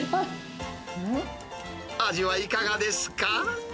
味はいかがですか。